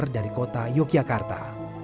dari kota yogyakarta